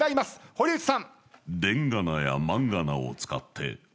堀内さん。